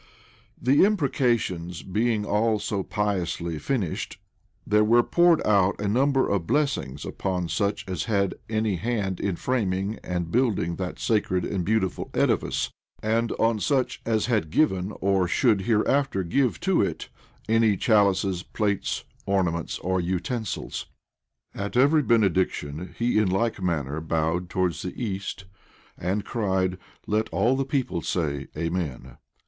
The imprecations being all so piously finished, there were poured out a number of blessings upon such as had any hand in framing and building that sacred and beautiful edifice, and on such as had given, or should hereafter give to it, any chalices, plate, ornaments, or utensils. At every benediction he in like manner bowed towards the east, and cried, "Let all the people say, Amen."